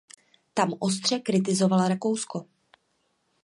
Tam ostře kritizoval Rakousko.